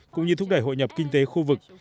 cũng như thúc đẩy hội nhập kinh tế khu vực